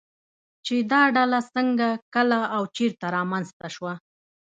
چې دا ډله څنگه، کله او چېرته رامنځته شوه